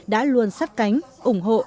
đã luôn sát cánh ủng hộ